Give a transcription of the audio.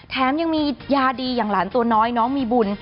แถมยังมียาดีอย่างหลานตัวน้อยน้องมีบุญ